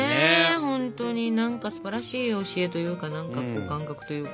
本当に何かすばらしい教えというか何か感覚というか。